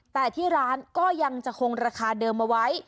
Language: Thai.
แต่ที่ร้านก็ยังจะคงราคาเดิมเอาไว้